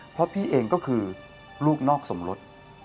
เพราะพี่เองก็คือลูกนอกสมรส